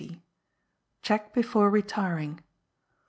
Check before Retiring.